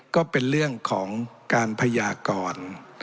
ก็เป็นเรื่องของการพยากร